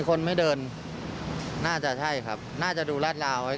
คนไม่เดินน่าจะใช่ครับน่าจะดูราดราวไว้